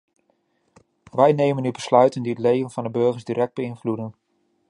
Wij nemen nu besluiten die het leven van de burgers direct beïnvloeden.